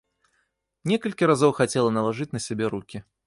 Некалькі разоў хацела налажыць на сябе рукі.